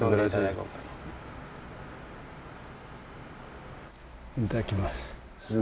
いただきます。